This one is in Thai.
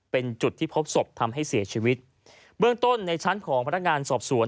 เป็นจุดที่พบศพทำให้เสียชีวิตเบื้องต้นในชั้นของพนักงานสอบสวน